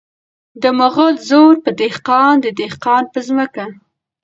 د مغل زور په دهقان د دهقان په ځمکه .